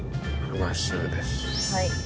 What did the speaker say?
はい。